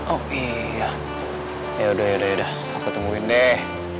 oh iya yaudah yaudah yaudah aku tungguin deh